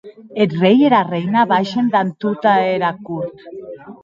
Eth rei e era reina baishen damb tota era cort.